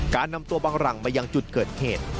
การนำตัวบังหลังมายังจุดเกิดเหตุ